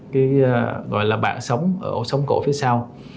cái gọi là bạc sống ở ổ sống cổ phía sau